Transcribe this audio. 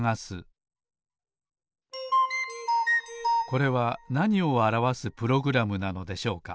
これはなにをあらわすプログラムなのでしょうか？